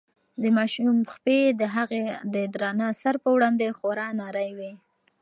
د ماشوم پښې د هغه د درانه سر په وړاندې خورا نرۍ وې.